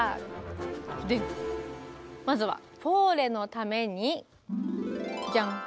まずは「フォーレのために」じゃん！